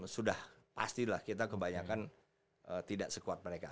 sudah pasti lah kita kebanyakan tidak sekuat mereka